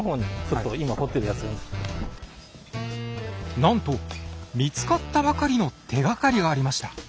なんと見つかったばかりの手がかりがありました。